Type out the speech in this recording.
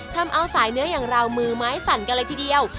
ทำเอาสายเนื้ออย่างเรามือไม้สั่นกันเลยทีเดียว